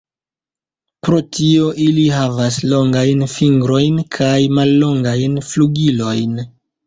Pro tio ili havas longajn fingrojn kaj mallongajn flugilojn.